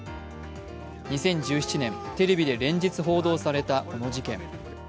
２０１７年、テレビで連日報道されたこの事件。